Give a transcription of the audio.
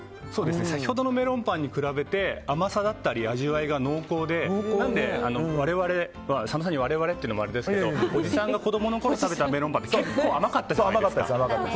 先ほどのメロンパンに比べて甘さだったり味わいが濃厚で佐野さんに我々っていうのもあれですけど、我々おじさんが子供のころ食べたメロンパンって結構甘かったじゃないですか。